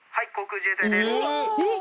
えっ！